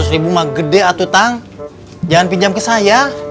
delapan ratus ribu mah gede atutang jangan pinjam ke saya